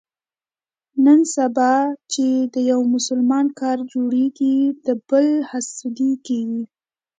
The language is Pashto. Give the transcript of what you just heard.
نن سبا چې د یو مسلمان کار جوړېږي، د بل حسدي کېږي.